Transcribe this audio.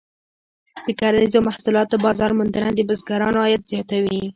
د کرنیزو محصولاتو بازار موندنه د بزګرانو عاید زیاتوي.